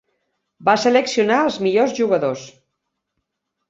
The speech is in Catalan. Va seleccionar els millors jugadors.